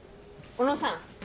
小野さん